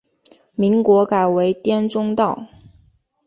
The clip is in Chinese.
民国改为滇中道。